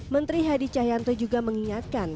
menteri hadi cahyanto juga mengingatkan